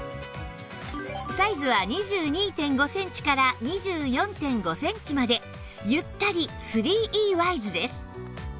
サイズは ２２．５ センチから ２４．５ センチまでゆったり ３Ｅ ワイズです